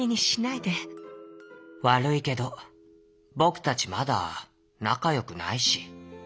「わるいけどぼくたちまだなかよくないし」。